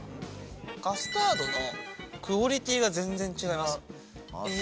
カスタードのクオリティーが全然違います。